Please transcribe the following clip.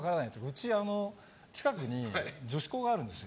うち、近くに女子校があるんです